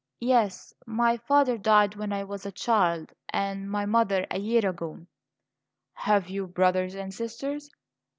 "Yes; my father died when I was a child, and my mother a year ago." "Have you brothers and sisters?"